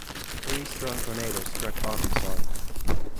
Three strong tornadoes struck Arkansas.